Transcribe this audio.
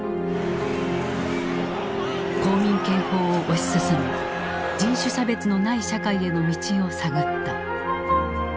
公民権法を推し進め人種差別のない社会への道を探った。